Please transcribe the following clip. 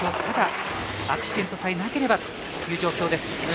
ただ、アクシデントさえなければという状況です。